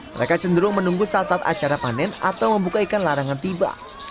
mereka cenderung menunggu saat saat acara panen atau membuka ikan larangan tiba